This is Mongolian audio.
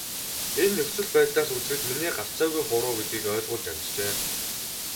Энэ нөхцөл байдлаас үзэхэд миний гарцаагүй буруу гэдгийг ойлгуулж амжжээ.